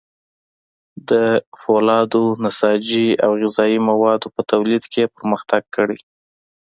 د فولادو، نساجي او غذايي موادو په تولید کې یې پرمختګ کړی.